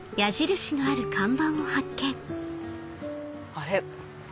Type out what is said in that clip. あれ？